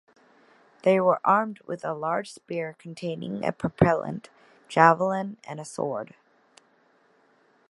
They were armed with a large spear containing a propellant, javelin and a sword.